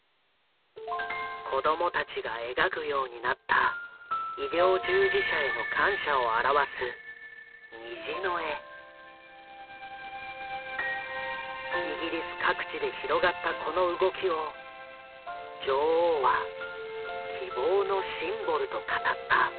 子どもたちが描くようになった医療従事者への感謝を表すイギリス各地で広がったこの動きを女王は「希望のシンボル」と語った。